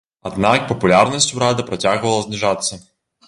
Аднак папулярнасць урада працягвала зніжацца.